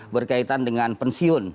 berkaitan dengan pensiun